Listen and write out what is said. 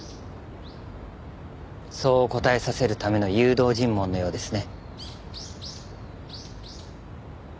そう答えさせるための誘導尋問のようですね。